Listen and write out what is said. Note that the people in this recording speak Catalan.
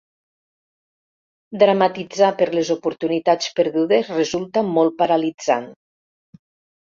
Dramatitzar per les oportunitats perdudes resulta molt paralitzant.